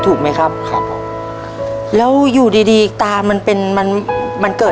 ทับผลไม้เยอะเห็นยายบ่นบอกว่าเป็นยังไงครับ